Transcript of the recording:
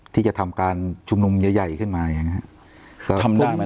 ที่จะทำการชุมนุมใหญ่ใหญ่ขึ้นมาอย่างเงี้ยทำได้ไหม